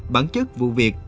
bản chất vụ việc